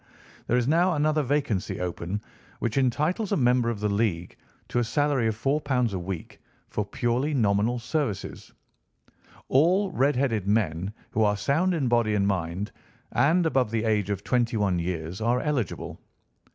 there is now another vacancy open which entitles a member of the League to a salary of £ 4 a week for purely nominal services. All red headed men who are sound in body and mind and above the age of twenty one years, are eligible.